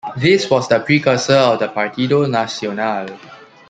This was the precursor of the Partido Nacional.